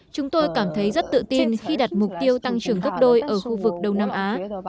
chúng tôi cảm thấy rất tự tin khi đặt mục tiêu tăng trưởng gấp đôi ở khu vực đông nam á